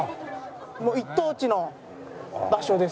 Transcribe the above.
もう一等地の場所ですね。